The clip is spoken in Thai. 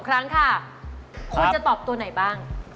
คุณจะตอบตัวไหนบ้าง